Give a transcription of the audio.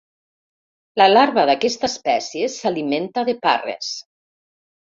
La larva d'aquesta espècie s'alimenta de parres.